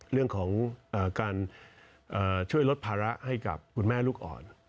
เรื่องของการช่วยลดภาระให้กับคุณแม่ลูกอ่อน